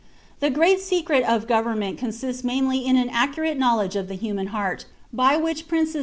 The great secret of government consists inlv in an accurate knowleds^e of the human heart, by which princes ' M.